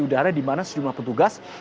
udara di mana sejumlah petugas